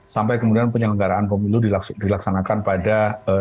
sampai kemudian penyelenggaraan pemilu dilaksanakan pada dua ribu dua puluh lima